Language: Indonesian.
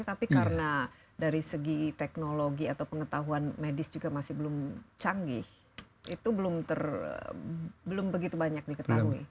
tapi karena dari segi teknologi atau pengetahuan medis juga masih belum canggih itu belum begitu banyak diketahui